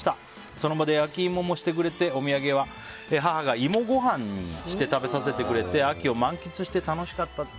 その場で焼き芋もしてくれてお土産は母が芋ご飯にして食べさせてくれて秋を満喫して楽しかったです。